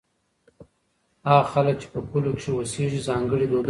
هغه خلک چې په کلو کې اوسېږي ځانګړي دودونه لري.